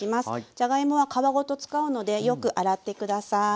じゃがいもは皮ごと使うのでよく洗って下さい。